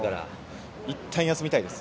いったん休みたいです。